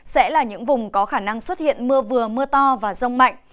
sẽ là những vùng có khả năng xuất hiện mưa vừa mưa to và rông mạnh